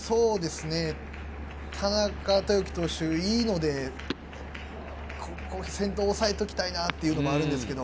田中豊樹投手いいので、先頭抑えておきたいなっていうのもあるんですけど。